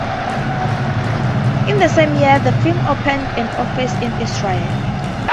In the same year, the firm opened an office in Israel.